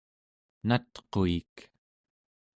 natquik